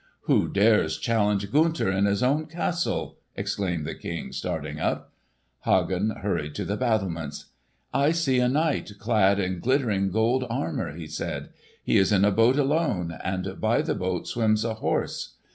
"Who dares challenge Gunther in his own castle?" exclaimed the King starting up. Hagen hurried to the battlements. "I see a knight clad in glittering gold armour," he said. "He is in a boat alone; and by the boat swims a horse.